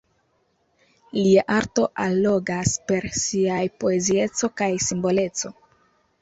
Lia arto allogas per siaj poezieco kaj simboleco.